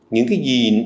những cái gì